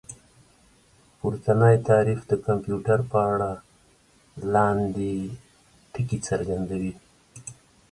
پورتنی تعريف د کمپيوټر په اړه لاندې ټکي څرګندوي